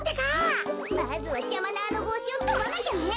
まずはじゃまなあのぼうしをとらなきゃね。